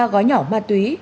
một mươi ba gói nhỏ ma túy